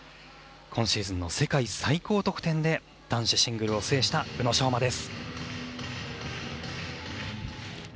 今シーズンの世界最高得点で男子シングルを制した宇野昌磨です。